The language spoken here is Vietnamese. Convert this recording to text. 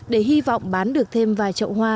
để hy vọng bán được thêm vài chợ hoa